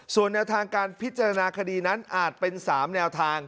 ส่วนแนวทางการพิจารณาคดีนั้นอาจเป็น๓แนวทาง